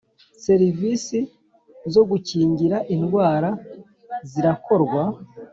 serivisi zo gukingira indwara zirakorwa